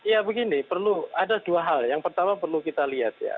ya begini perlu ada dua hal yang pertama perlu kita lihat ya